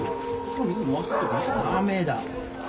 駄目だ。